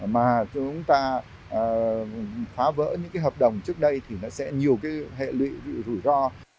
mà chúng ta phá vỡ những hợp đồng trước đây thì sẽ nhiều hệ lụy rủi ro